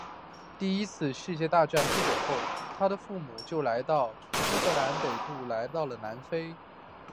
第一次世界大战后不久他的父母就从苏格兰北部来到了南非。